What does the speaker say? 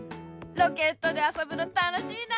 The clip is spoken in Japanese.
ロケットであそぶのたのしいな。